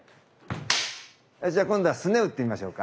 じゃあ今度はスネ打ってみましょうか。